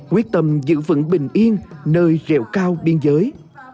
quyết tâm giữ vững bình yên nơi rẹo cao biên giới